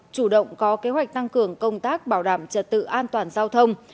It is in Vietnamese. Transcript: chủ động có kế hoạch tăng cường công tác bảo đảm trật tự an toàn giao thông